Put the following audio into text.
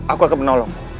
aku akan menolong